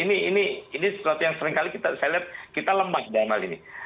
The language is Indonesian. nah ini sesuatu yang seringkali saya lihat kita lemah dalam hal ini